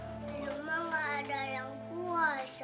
emangnya gak ada yang puasa